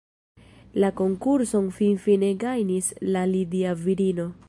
La konkurson finfine gajnis la lidia virino.